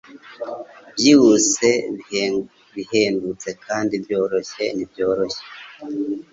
Byihuse bihendutse kandi byoroshye ntibyoroshye -